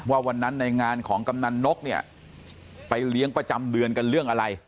วันนั้นในงานของกำนันนกเนี่ยไปเลี้ยงประจำเดือนกันเรื่องอะไร